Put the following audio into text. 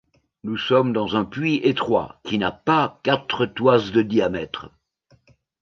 Nous sommes dans un puits étroit, qui n’a pas quatre toises de diamètre.